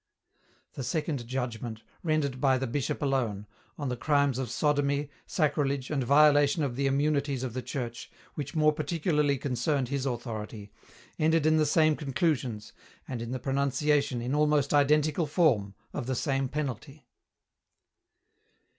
The second judgment, rendered by the Bishop alone, on the crimes of sodomy, sacrilege, and violation of the immunities of the Church, which more particularly concerned his authority, ended in the same conclusions and in the pronunciation, in almost identical form, of the same penalty.